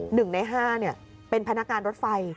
หนึ่งในห้าเป็นพนักงานรถไฟ